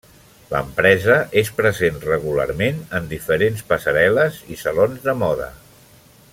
L'empresa és present regularment en diferents passarel·les i salons de moda.